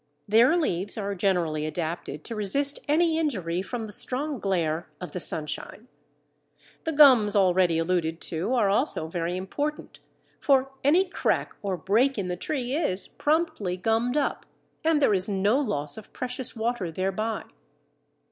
Their leaves are generally adapted to resist any injury from the strong glare of the sunshine. The gums, already alluded to, are also very important, for any crack or break in the tree is promptly gummed up, and there is no loss of precious water thereby.